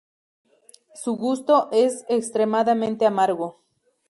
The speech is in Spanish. Su gusto es extremadamente amargo.